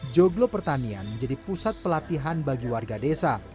joglo pertanian menjadi pusat pelatihan bagi warga desa